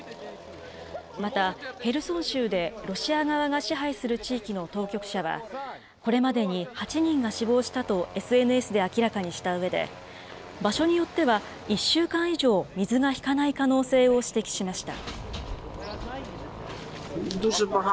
またヘルソン州でロシア側が支配する地域の当局者は、これまでに８人が死亡したとＳＮＳで明らかにしたうえで、場所によっては１週間以上、水が引かない可能性を指摘しました。